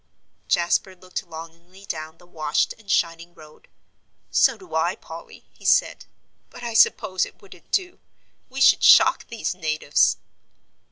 Jasper looked longingly down the washed and shining road. "So do I, Polly," he said, "but I suppose it wouldn't do; we should shock these natives."